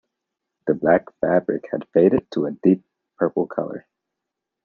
The black fabric had faded to a deep purple colour.